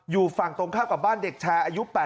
อยู่ฝั่งตรงข้ามกับบ้านเด็กชายอายุ๘๐